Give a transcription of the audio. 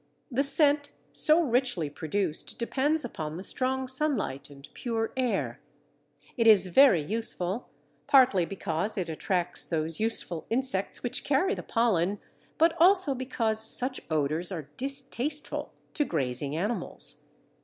The scent so richly produced depends upon the strong sunlight and pure air. It is very useful, partly because it attracts those useful insects which carry the pollen, but also because such odours are distasteful to grazing animals.